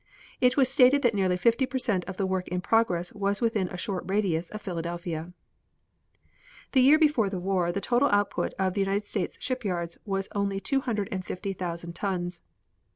It was stated that nearly fifty per cent of the work in progress was within a short radius of Philadelphia. The year before the war the total output of the United States shipyards was only two hundred and fifty thousand tons.